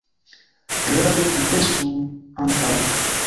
Grave pripensu antaŭe.